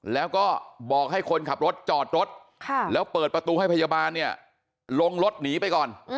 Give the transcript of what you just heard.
แล้วก็บอกให้คนขับรถจอดรถแล้วเปิดประตูให้พยาบาลเนี่ยลงรถหนีไปก่อน